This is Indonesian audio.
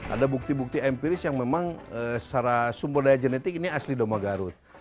ada bukti bukti empiris yang memang secara sumber daya genetik ini asli doma garut